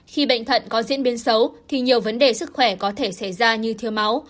khi bệnh thận có diễn biến xấu thì nhiều vấn đề sức khỏe có thể xảy ra như thiếu máu